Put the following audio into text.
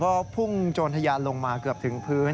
ก็พุ่งโจรทะยานลงมาเกือบถึงพื้น